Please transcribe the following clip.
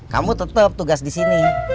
kamu tetep tugas disini